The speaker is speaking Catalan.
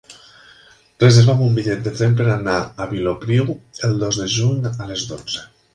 Reserva'm un bitllet de tren per anar a Vilopriu el dos de juny a les dotze.